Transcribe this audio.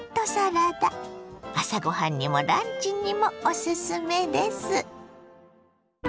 朝ご飯にもランチにもおすすめです。